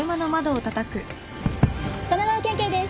神奈川県警です。